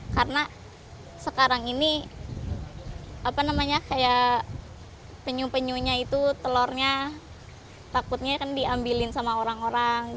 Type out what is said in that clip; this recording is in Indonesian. karena sekarang ini apa namanya kayak penyu penyunya itu telurnya takutnya kan diambilin sama orang orang